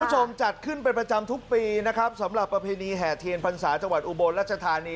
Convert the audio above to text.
จัดขึ้นเป็นประจำทุกปีนะครับสำหรับประเพณีแห่เทียนพรรษาจังหวัดอุบลรัชธานี